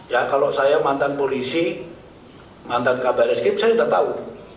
ya kalau saya mantan polisi mantan kabar eskrim saya sudah tahu